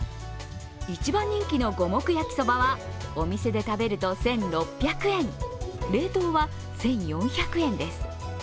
一番人気の五目焼きそばはお店で食べると１６００円、冷凍は１４００円です。